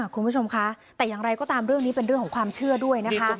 คุณผู้ชมคะแต่อย่างไรก็ตามเรื่องนี้เป็นเรื่องของความเชื่อด้วยนะคะ